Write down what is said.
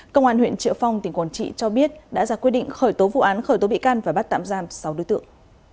công an huyện triệu phong tỉnh quảng trị cho biết đã ra quyết định khởi tố vụ án khởi tố bị can và bắt tạm giam sáu đối tượng